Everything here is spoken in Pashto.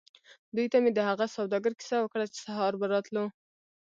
دوی ته مې د هغه سوداګر کیسه وکړه چې سهار به راتلو.